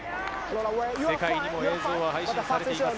世界にも映像は配信されています。